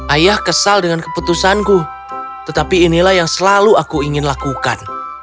ayah kesal dengan keputusanku tetapi inilah yang selalu aku ingin lakukan